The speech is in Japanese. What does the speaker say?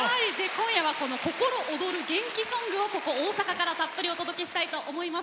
今夜は心躍る元気ソングをここ大阪からたっぷりお届けしたいと思います。